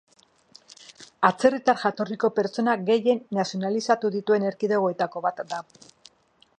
Atzerritar jatorriko pertsona gehien nazionalizatu dituen erkidegoetako bat da.